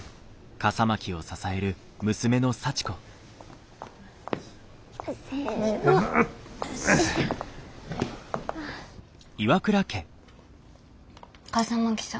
笠巻さん